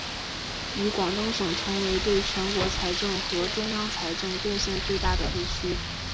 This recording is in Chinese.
与广东省成为对全国财政和中央财政贡献最大的地区。